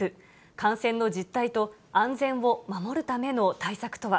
感染の実態と、安全を守るための対策とは。